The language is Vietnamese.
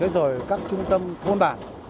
rồi các trung tâm thôn bản